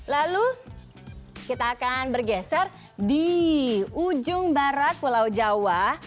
lalu kita akan bergeser di ujung barat pulau jawa